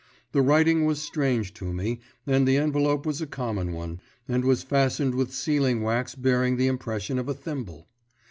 The writing was strange to me, and the envelope was a common one, and was fastened with sealing wax bearing the impression of a thimble.